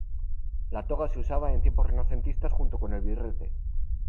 La toga se usaba en tiempos renacentistas junto con el birrete.